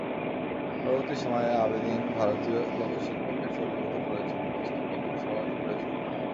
পরবর্তী সময়ে আবেদিন ভারতীয় লোকশিল্পকে শৈলীভূত করেছিলেন, দৃষ্টির পক্ষে সহজ করেছিলেন।